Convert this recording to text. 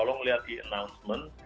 tolong lihat di announcement